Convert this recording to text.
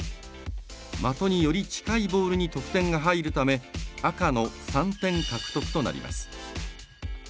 的に、より近いボールに得点が入るため赤の３点獲得となります。